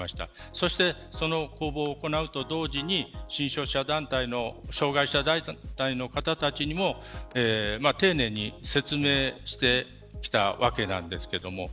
そしてその公募を行うと同時に障害者団体の方たちにも丁寧に説明してきたわけなんですけれども。